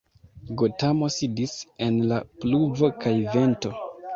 Gotamo sidis en la pluvo kaj vento.